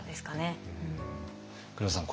黒田さん